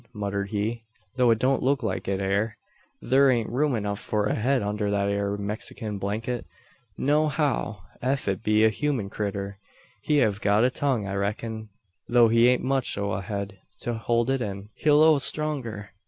muttered he, "though it don't look like it air. Thur ain't room enuf for a head under that ere Mexikin blanket, no how. Ef it be a human critter he hev got a tongue I reck'n, though he ain't much o' a head to hold it in. Hilloo stronger!